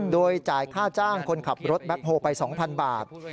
โดยจ่ายค่าจ้างคนขับรถแบ็คโฮลไป๒๐๐บาท